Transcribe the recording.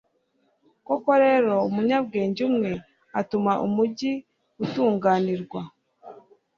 koko rero, umunyabwenge umwe atuma umugi utunganirwa